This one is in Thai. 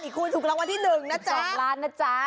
อีกคุณถูกรางวัลที่๑นะจ๊ะ